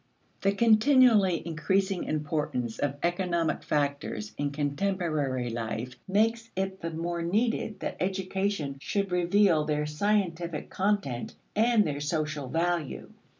The continually increasing importance of economic factors in contemporary life makes it the more needed that education should reveal their scientific content and their social value.